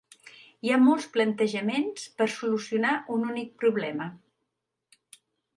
Hi ha molts plantejaments per solucionar un únic problema.